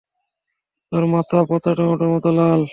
তোর মাথা পচা টমেটোর মতো লাল।